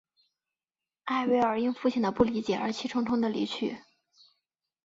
艾薇尔因父亲的不理解而气冲冲地离去。